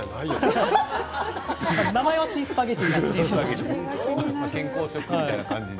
名前はシースパゲッティです。